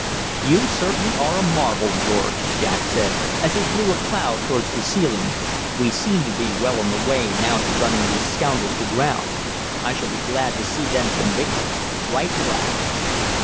"You certainly are a marvel, George," Jack said, as he blew a cloud towards the ceiling. "We seem to be well on the way now to running these scoundrels to ground. I shall be glad to see them convicted right glad."